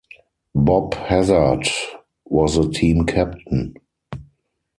Bob Hazzard was the team captain.